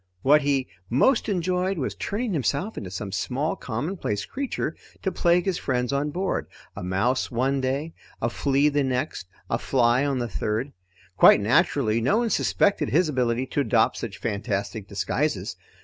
What he most enjoyed was turning himself into some small commonplace creature to plague his friends on board a mouse, one day, a flea the next, a fly on the third. Quite naturally, no one suspected his ability to adopt such fantastic disguises.